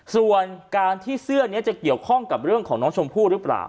ส่วนการที่เสื้อนี้จะเกี่ยวข้องกับเรื่องของน้องชมพู่หรือเปล่า